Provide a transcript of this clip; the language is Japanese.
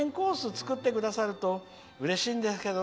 作ってくださるとうれしいんですけど。